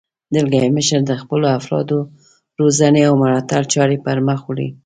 دلګی مشر د خپلو افرادو د روزنې او ملاتړ چارې پرمخ وړي.